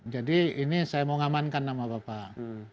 ini saya mau ngamankan nama bapak